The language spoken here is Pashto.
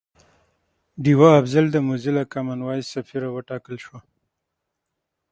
ډیوه افضل د موزیلا کامن وایس سفیره وټاکل شوه